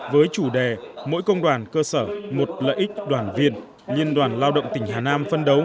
với chủ đề mỗi công đoàn cơ sở một lợi ích đoàn viên liên đoàn lao động tỉnh hà nam phân đấu